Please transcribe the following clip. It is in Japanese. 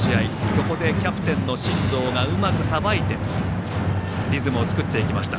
そこでキャプテンの進藤がうまくさばいてリズムを作っていきました。